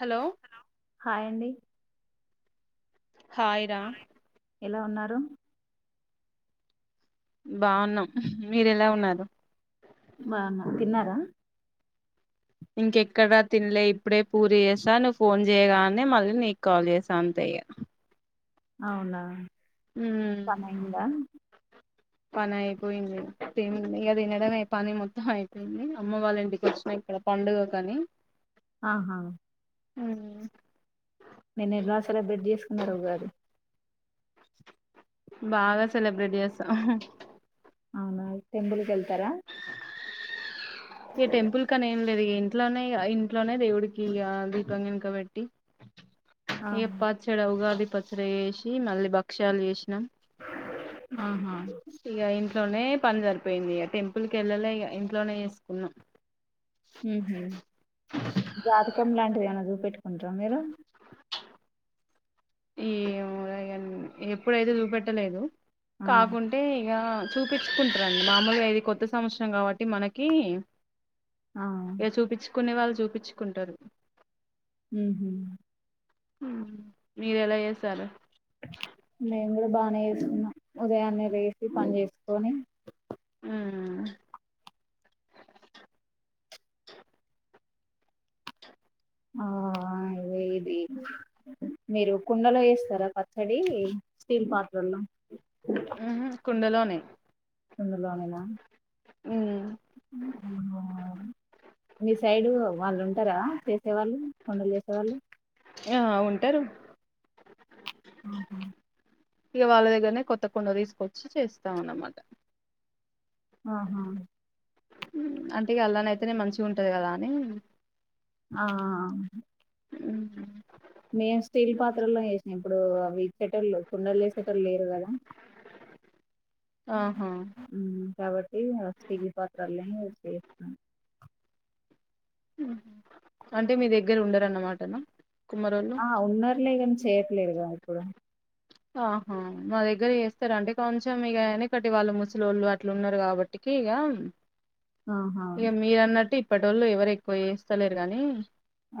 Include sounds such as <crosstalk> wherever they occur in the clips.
Hello hi అండి hi రా ఎలా ఉన్నారు బాగున్నాం మీరు ఎలా ఉన్నారు బాగున్నా తిన్నారా ఇంకెక్కడా తినలే ఇప్పుడే పూరి చేస్తా నువ్వు ఫోన్ చేయగానే మళ్ళీ నీకు కాల్ చేశా అంతే ఈగ అవునా పని అయిందా పని అయిపోయింది తి ఇగా తినడమే పని మొత్తం అయిపోయింది అమ్మ వాళ్ళ ఇంటికి వచ్చిన ఇక్కడ పండుగ కానీ ఆహా హుమ్ నిన్న ఏలా సెలబ్రేట్ చేసుకున్నారో కాదు బాగా సెలబ్రేట్ చేస్తాం అవునా టెంపుల్ కి వెళ్తారా ఈ టెంపుల్క నీ ఏం లేదు ఇగ ఇంట్లోనే ఇంట్లోనే దేవుడికి ఇగ దీపం గినిక పెట్టి ఆ ఇగ పచ్చడ ఉగాది పచ్చడి చేసి మళ్ళీ భక్ష్యాలు చెసినాం ఆహా ఇగ ఇంట్లోనే పని సరిపోయింది ఇగ టెంపుల్ కి ఎళ్ళలే ఇగ ఇంట్లోనే చేసుకున్నాం ఉంహు జాతకం లాంటిది ఏమన్న చూపెట్టుకుంటారా మీరు ఏమో ఎప్పుడైతే చూపెట్టలేదు ఆ కాకుంటే ఇగా చూపించుకుంటారండి మామూలుగా ఇది కొత్త సంవత్సరం కాబట్టి మనకి ఆ ఇగ చూపించుకునే వాళ్ళు చూపించుకుంటారు ఉం హు మీరు ఎలా చేసారు నే కూడా బానే చేస్కున్న ఉదయాన్నే లెసి పని చేస్కొని ఉమ్ ఆ అదే ఇది మీరు కుండలో ఎస్తారా పచ్చడి స్టీల్ పాత్రల్లో హు హ్మ్ కుండలోనే కుండలోనేనా ఉమ్ మీ సైడు వాళ్ళు ఉంటారా చేసే వాళ్ళు కుండలు చేసే వాళ్ళు ఆ ఉంటారు ఆహా ఇగ వాళ్ళ దగ్గరనే కొత్త కుండ తీసుకొచ్చి చేస్తాం అనమాట ఆహా మ్ అంటే గాఅల్లానైతేనే మంచిగుంటది కదా అని ఆ ఉమ్ మేము స్టీల్ పాత్రలో చేసినాం ఇప్పుడు అవి కేటళ్ళు కుండలు చేసేటోళ్ళు లేరు కదా ఆహా ఉమ్ కాబట్టి ఇంగ స్టీల్ పాత్రల్లోనే చేస్తాను అంటే మీ దగ్గర ఉండరన్నమాటనా కుమ్మరోళ్ళు ఆ ఉన్నరు లే గాని చే లేరుగా ఇప్పుడు ఆహా మా దగ్గర చేస్తారంటే కొంచెం ఇగ ఎనికటి వాళ్ళు ముసలోళ్ళు అట్లున్నారు కాబట్టికి ఇగ ఆహా ఇగ మీరన్నట్టు ఇప్పటోళ్ళు ఎవరు ఎక్కువ చేస్తలేరు గాని ఆ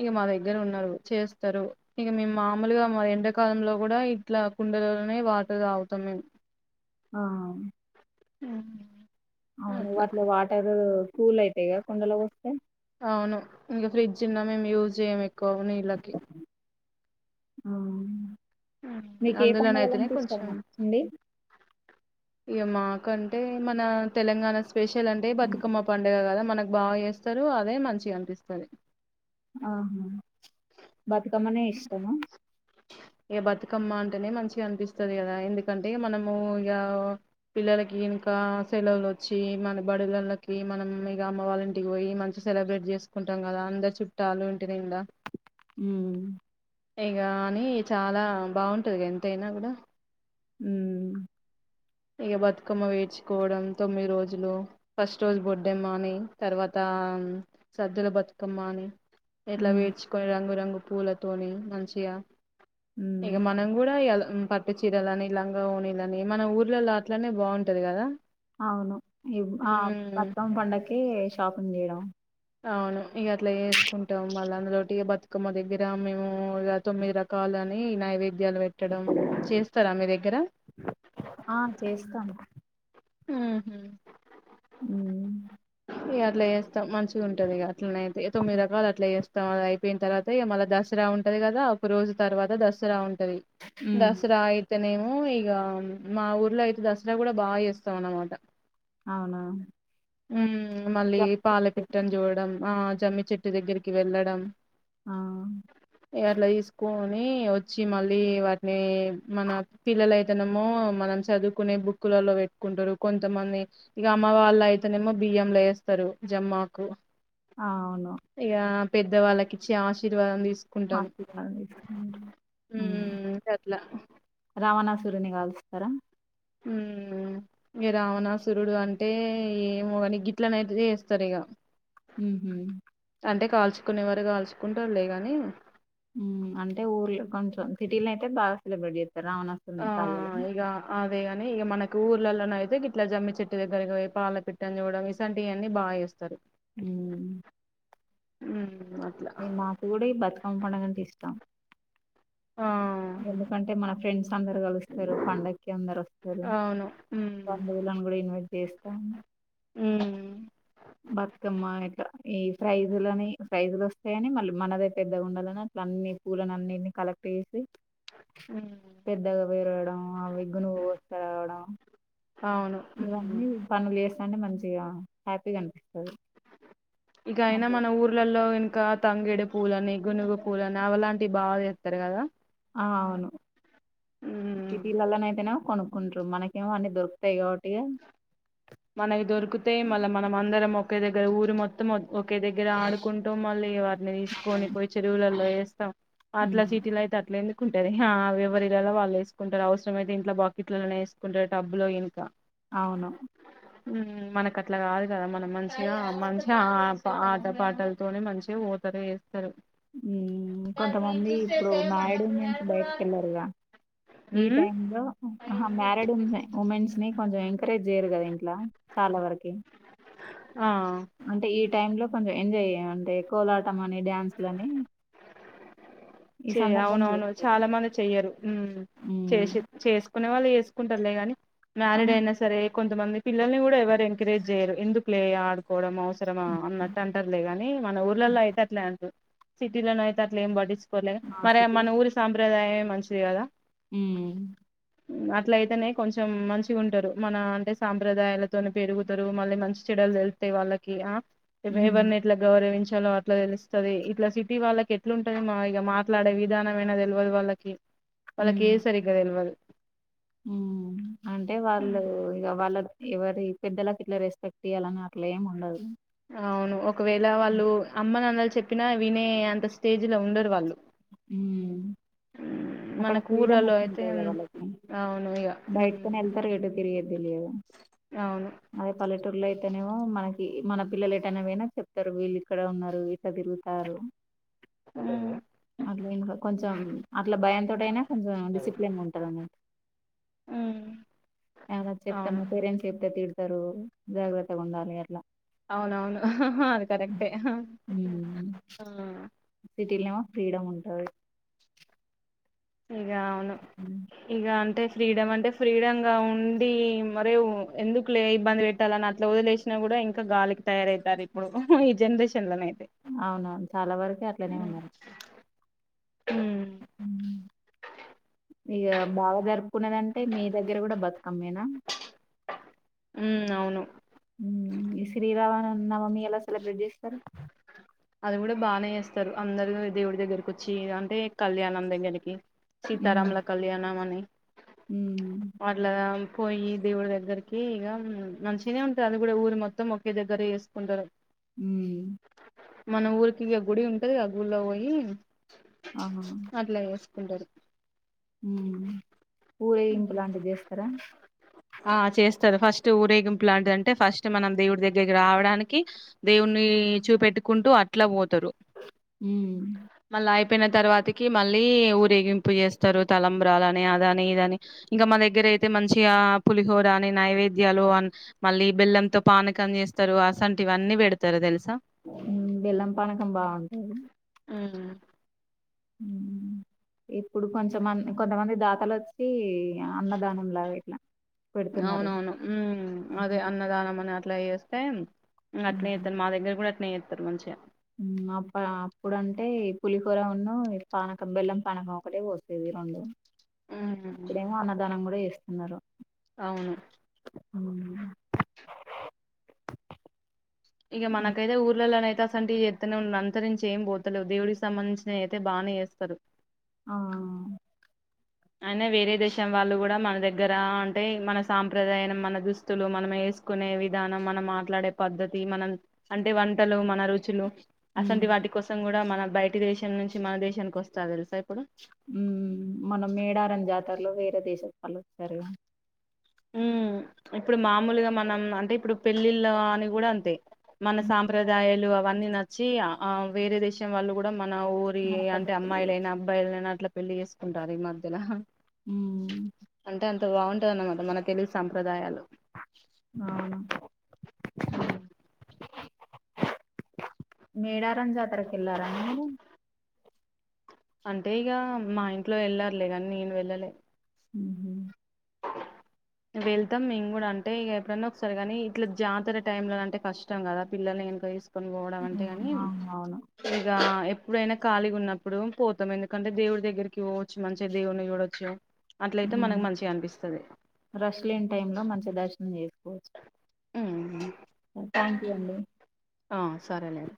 ఇగ మా దగ్గర ఉన్నారు చేస్తరు ఇగ మేము మామూలుగా మరి ఎండాకాలంలో కూడా ఇట్లా కుండలోనే వాటర్ తాగుతాం మేము ఆ ఉమ్ అవును వాట్లో వాటరు కూల్ అయితై గ కుండలపోస్తే అవును ఇంకా ఫ్రిడ్జ్ ఉన్నా మేము యూజ్ చేయ్యము ఎక్కువ నీళ్ళకి ఆ మీకు ఏ అందులోనయితేనే పడుగలంటే ఇష్టం అండి ఇగ మాకంటే మన తెలంగాణ స్పెషల్ అంటే బతుకమ్మ పండగ కదా మనకు బాగా చేస్తారు అదే మంచిగా అనిపిస్తది ఆహా బతుకమ్మనే ఇష్టమ ఇగ బతుకమ్మ అంటేనే మంచిగా అనిపిస్తది కదా ఎందుకంటే మనము ఇగ పిల్లలకి ఇంకా సెలవులు వచ్చి మన బడులళ్లకి మనం ఇగ అమ్మ వాళ్ళ ఇంటికి పోయి మంచిగ సెలబ్రేట్ చేసుకుంటాం కదా అందరు చుట్టాలు ఇంటి నిండా హుమ్ ఎం కానీ చాలా బాగుంటదిగ ఎంతైనా కూడా హుమ్ ఇగ బతుకమ్మ పెర్చుకోవడం తొమ్మిది రోజులు ఫస్ట్ రోజు బొడ్డమ్మ అని తర్వాత ఆ సద్దుల బతుకమ్మ అని ఎట్లా ఉమ్ పెర్చుకొని రంగు రంగు పూలతోనిి మంచిగా ఉమ్. ఇగ మనం కూడా ఇయాల హు పట్టు చీరలుని లంగా ఓనీలని మన ఊరు ల్లల్ల అట్లనే బాగుంటది కదా అవును ఈ ఆ ఉమ్ బతుకమ్మ పండక్కి షాపింగ్ చేయడం అవును ఇగ అట్లా చేేసుకుంటాం మళ్ళ అం లోటి ఇగ బతుకమ్మ దగ్గర మేము ఇగ తొమ్మిది రకాలని నైవే ధ్యలు పెట్టడం చేస్తారా మీ దగ్గర ఆ చేస్తాం మ్ హు మ్మ్ ఇగ అట్లా చేస్తాం మంచిగుంటదిగ అట్లనైతే ఇగ తొమ్మిది రకాలు అట్లా చేేస్తాం అది అయిపోయిన తర్వాత ఇగ మళ్ళ దసరా ఉంటది కదా ఒక రోజు తర్వాత దసరా ఉం టది దసరా ఇయితనేమ్ ము ఇగ మా ఊర్లో అయితే దసరా కూడా బా చెస్ స్తామన్నమాట అవునా మ్మ్ ఇంగ మళ్ళీ జప్- పాలపిట్టని చూడడం ఆ జమ్మి చెట్టు దగ్గరికి వెళ్లడం ఆ ఇగట్ల తీస్కొ నీ వచ్చి మళ్ళీ వాటిని మన పిల్లలైతేనేమో మనం చదువుకునే బుక్కులల్లో కుంటారు కొంతమంది ఇగ అమ్మ వాళ్ళయితేనేమో బియ్యంలేస్తారు జమ్మాకు ఆ అవును పెద్దవాళ్ళకి ఇచ్చి ఆశీర్వాదం తీ ఉమ్ అట్లా రవణస్ సూర్ని కాలుస్తారా ఇక రావణాసురుడు అంటే ఏమో కాని గిట్లన అయితే చేస్తారు ఇక హ అంటే కాల్చుకునే వారు కాల్చుకుంటారులే గాని అంటే ఊర్ళ కొంచెం సిటీలో అయితే బాగా సెలబ్రెట్ చేంది రావణాసురుని కాల్చి అదేగాని ఇక మనకి ఊర్లలో అయితే ఇట్లా జమ్మి చెట్టు దగ్గరకి పో పాల పిట్టని చూడడం ఇసంటి ఇవీ బాగా ఇస్తారు అ ఉమ్ అట్లా నాకు కూడా ఈ బతుకమ్మ పండుగ అంటే ఇష్టం ఆ ఎందుకంటే మన ఫ్రెండ్స్ అందరు కలుస్తారు పండక్కి అందరుస్త సర అవును ఉమ్ బందవులను కూడా ఇన్వెస్ట్ చేస్తాము ఉ బతుకమ్మ ఇట్లా ఈ ఫ్రైజులని ఫ్రైజులు వస్తాయని మళ్ళీ మనది పెద్ద ఉండాలని అట్ల అన్ని పూలను అన్నిని కలెక్ట్ చేసి ఉమ్ పెద్దగా వరడం ఆవిగు నువ్వు వస్త రావడం అవును ఉమ్ ఇవన్నీ పనులు చేస్తాండి మంచి హ్యాపీ కనిపిస్తుంది ఇక అయినా మన ఊర్లలో ఇంకా తంగేడి పూలని గునుగు పూలని అవలాంటివి బాగా చేస్తారు కదా ఆ అవును ఉమ్ సిటీల్లో అయితే కొనుక్కుంట్ర మనకేమో అన్నీ దొరుకుతాయి కాబట్టిగా మనకి దొరికితే మళ్ళ మనం అందరం ఒక ఒకే దగ్గర ఊరు మొత్తం ఒకే దగ్గర ఆడుకుంటూం మళ్ళీ తీసుకోని పోయి చెరువులలో స్త అట్లా ఉమ్ సిటీలో అయితే అట్ల కుంటది ఎవరి ఇలా వాళ్ళుసుకుంటారు అవసరమైతే ఇంట్లో బకెట్లలోనే వేసుకుంటారు టబ్బు లో ఇనక అవును మనక అట్లాగాదు కదా మన మనించిగా ఆ మంచి ఆట పాటలతోనే మంచిగా ఓతరు వేస్త కొంతమంది ఇప్పుడు మ్యారీడ్ ఉమెన్స్ బయటక వెళ్లారుగా ఈ టైమ్ లో మ్యారీడ్ ఉ ఉమెన్స్ ని కొంచెం ఎంకరేజ్ చేయరు కదా ఇ లా చాలా వరకె. ఆ అంటే ఈ టైమ్ లో కొంచెం ఎంజాయే. అంటే కోలాటం అని డ్యాన్స్ లని, చె అవునవును చాలా మంది చెయ్యరు హ్మ్ హ్మ్. చేసి చేసి కొనే వాళ్ళు చేేసుకుంటారులేగాని ఆ! మ్యారిడ్ అయినా సరే! కొంతమంది పిల్లల్ని కూడా ఎవరు ఎంకరేజ్ చేయ్యరు ఎందుకులే ఆడుకోవడం అవస్. అవసరమా అన్నట్టు అంటారులేగాని మన ఊర్లలో అయితే అంటారు. సిటీలో నయతే అట్ల ఎం బట్టిచ్ పోలె, మా మరి సిటీ మన ఊరు సాంప్రదాయం. మంచిది కదా! హ్మ్ అట్ల అయితేనే కొంచెం మంచిగా ఉంటారు. మన అంటే సాంప్రదాయాలతోనే పెరుగుతారు, మళ్ళీ మంచి చెడ్డలు తెలుస్తాయి వాళ్ళకి ఆ భైబం హ్మ్. <unintelligible> ఎట్లా గౌరవించే చాల అట్లా తెలుస్తుది ఇట్లా సిటీ వాళ్ళకి ఎట్లుంటాయి మాయి ఇ మాట్లాడే విధానంమైనది తెలవదు వాళ్ళకి. వాళ్ళకే హ్మ్. సరిగా దెల్వదు. హ్మ్ అంటే వాళ్ళు ఇక వాళ్ళను ఎవరి పెద్దలకి ఇట్లా రెస్పెక్ట్ ఇయ్యాలని అట్లా ఏమి ఉండదు. అవును. ఒకవేళ వాళ్ళు అమ్మని అన్నచ చెప్పినా వినే అంత స్టేజ్ లో ఉండరు వాళ్ళు. హ్మ్ అక్కడ మనకు ఫ్రీడమ్ ఊర్లలో అయితే వచ్చింటాది కదా వాళ్ళకి అవును ఇగ బయటకని వెళ్తారు ఎటో తిరిగే తెలియదు. అవును అదే పల్లెటూరులో అయితేనేమో మనకి.. మన పిల్లలు ఏటైనాపోయినా చెప్తారు వీళ్ళు ఇక్కడే ఉన్నారు, ఇట్లా తిరుగుతారు. అట్లేంకాదు కొంచం అ భయంతోటి అయిన కొంచెం డిసిప్లిన్ గ ఉంటారని ఎవరైనా చెప్తే అవును ముప్పై రెండు <inaudible> తిడుతారు జాగ్రత్తగ ఉండాలి అట్లా. అవునవును హు హ్ హూ అది కరెక్టే. సిటీలోనేమో ఫ్రీడమ్ ఉంటాది. ఇక అవును ఉమ్. ఇక అంటే ఫ్రీడమ్ అంటే ఫ్రీడ గా ఉండి మరి ఎందుకు లే ఇబ్బంది పెట్టాలని అట్లా వదిలేసినా కూడా ఇంకా గాలికి తయారవుతారు ఇప్పుడు ఉహ్ ఈ జనరేషన్. లోనయితే అవునవును చాలా వరకు అట్లనే ఉమ్ ఉన్నారు. ఉమ్ వై ఇక బావగారు కున్నదంటే మీ దగ్గర కూడా బతు ఆమెనా ఉ అవును ఉమ్ ఈ శ్రీరామనవమి ఎలా సెలబ్రేట్ చేస్తారు అది కూడా బాగానే చేస్తారు అందరు దేవుడి దగ్గరకు వచ్చి అంటే కళ్యాణం అందకి ఉమ్. సీతారాముల కళ్యాణం అని ఉమ్. వాట్లా పోయి దేవుడి దగ్గరికి ఇక మంచినే ఉంటంది అది కూడా ఊరి మొత్తం ఒకే దగ్గర చేసుకుంటారు ఉమ్. మన ఊరికి ఇక గుడి ఉంటది ఆ గుళ్లో పోయి ఆహా అట్లాగే <unintelligible> ఉమ్ ఊరేగింపు లాంటిది చేస్తారా ట్ ఊరేగింపు లాంటిది అంటే ఫస్ట్ మనం దేవుడి దగ్గరకి రావడానికి దేవుడిని చూపెట్టుకుంటూ అట్లా పో తారు ఉమ్. మళ్ళయి చెప్పిన తర్వాతకి మళ్ళీ ఊరేగింపు చేస్తారు తలంబ్రాలుని అద అని ఇద అని ఇంకా మా దగ్గర అయితే మంచిగా పులిహోర అని నైవేద్యాలు మళ్ళీ బెల్లంతో పానకం చేస్తారు అసంటి ఇవన్నీ పెడతారు తెలుసు ఉమ్ బెల్లం పనకం బాగుంటది ఉమ్ ఉ ఉమ్ ఇప్పుడు కొంచమంది కొంతమంది దాతలొచ్చి అన్నదానం లాగ ఇట్లా పెడుతున్నారు అవునవును ఉమ్! అదే అన్నదానం అని అట్లా చేస్తే టైమ్ ఇగ్ ఉహు. అట్లయిఎత్తారు మా దగ్గర కూడా అట్లే నేత్తరూ మంచిగా అప్ప అప్పుడు అంటే ఈ పులిహోర ఉన్ను పానకం బెల్లం పానకం ఒకటే పోసేది రెండు ఇప్పుడేమో అన్నదానంగూడ వేస్తున్నారు అవును ఉమ్ ఉ ఇగ మనకైతె ఊర్లలనతే గసనటీ చెత్తనే ఉన్నారు అంతరించి ఏం పోతలేవు దేవుడికి సంబంధించిన అయితే బానే చేస్తారు ఆ అయినా వేరే దేశం వాళ్ళు కూడా మన దగ్గర అంటే మన సాంప్రదాయం మన దుస్తులు మనం వేసుకునే విధానం మనం మాట్లాడే పద్ధతి మనం అంటే వంటలు మన రుచులు అసంటి ఉమ్ వాటి కోసం కూడా మన బయటి దేశం నుంచి మన దేశానికి వస్తారు తెలుసా ఇప్పుడు ఉమ్ మన మేడత్ మన జాతరలో వేరే దేశాల వాళ్ళు ఉంటారుగా ఉమ్ ఇప్పుడు మామూలుగా మనం అంటే ఇప్పుడు పెళ్ళిళ్ళ అని కూడా అంతే మన సాంప్రదాయాలు వన్నీ నచ్చి ఆ వేరే దేశం వాళ్ళు కూడా మన ఊరి మన అంటే పద్ధతులు అమ్మాయిలయినా అబ్బాయిలనా అట్లా పెళ్లి చేసుకుంటారు ఈ మధ్యలో ఉమ్ అంటే బాగుంటుది అన్నమాట మన తెలుగు సాంప్రదాయాలు ఆ మేడారంని జాతరకి వెళ్లారా మీరు అంటే ఇగ మా ఇంట్లో వెళ్ళర్లే కానీ నేను వెళ్ళలే ఉహు.. వెళ్తాం మేము కూడా అంటే ఎప్పుడన్నా ఒకసారి కానీ ఇట్లా జాతర టైమ్ లో అంటే కష్టం కదా పిల్లని గీనుక తీసుకొని కని పోవడం అంటే ని అవునవును ఇగా ఎప్పుడైనా ఖళీగా ఉన్నప్పుడు పోతాం ఎందుకంటే దేవుడి దగ్గరికి పోవచ్చు మంచిగా దేవుని చూడవచ్చు అట్లయితే ఉమ్ మనకు మంచిగా అనిపిస్తుంది రష్ లేని టైమ్ లో మంచి దర్శనం చేసుకోవచ్చు ఉమ్ థ్యాంక్ యూ అండి ఆ సరేలేడ